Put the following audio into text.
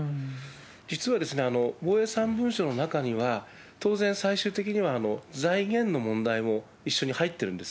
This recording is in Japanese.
実はですね、防衛３文書の中には、当然、最終的には財源の問題も一緒に入ってるんです。